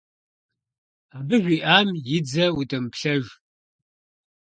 Абы жиӀам и дзэ удэмыплъэж.